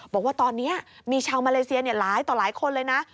บอกว่าตอนนี้มีชาวมาเลเซียหลายต่อหลายคนเลยนะ